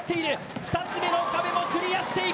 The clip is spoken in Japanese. ２つ目の壁もクリアしていく。